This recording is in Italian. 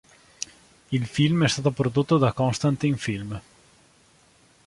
Il film è stato prodotto da Constantin Film.